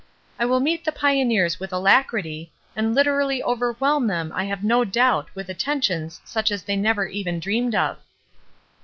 I will meet the pioneers with alacrity, and literally overwhelm them I have no doubt with atten tions such as they never even dreamed of."